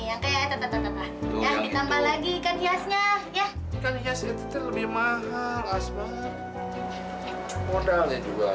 ya kayak tetap tetap ya ditambah lagi ikan hiasnya ya lebih mahal asma modalnya juga